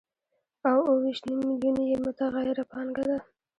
او اوه ویشت نیم میلیونه یې متغیره پانګه ده